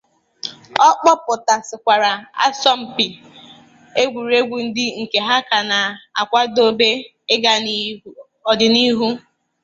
Ọ kpọpụtasịkwara asọmpi egwuregwu ndị nke ha ka na-akwadobe ịga n'ọdịnihu